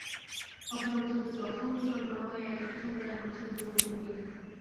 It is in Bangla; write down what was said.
সংখ্যালঘু শব্দটি অসহনীয় যন্ত্রণা হয়ে এক-একটি সম্প্রদায়ের মানুষের বুকের মধ্যে লুকিয়ে থাকে।